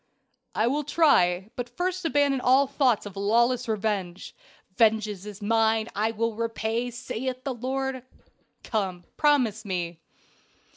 "I will try. But first abandon all thoughts of lawless revenge. 'Vengeance is mine, I will repay, saith the Lord.' Come, promise me."